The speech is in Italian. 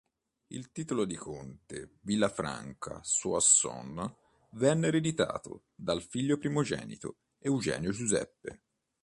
Il titolo di Conte Villafranca Soissons venne ereditato dal figlio primogenito Eugenio Giuseppe.